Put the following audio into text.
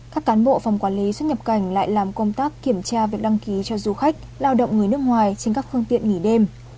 các cán bộ phòng quản lý xuất nhập cảnh lại làm công tác kiểm tra việc đăng ký cho du khách lao động người nước ngoài trên các phương tiện nghỉ đêm